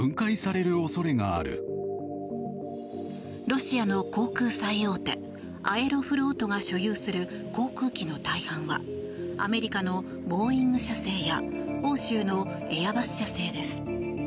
ロシア航空最大手アエロフロートが所有する航空機の大半はアメリカのボーイング社製や欧州のエアバス社製です。